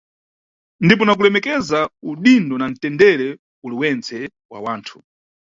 Ndipo na kulemekeza udindo na ntendere uliwentse wa wanthu.